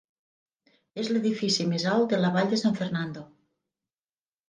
És l'edifici més alt de la Vall de San Fernando.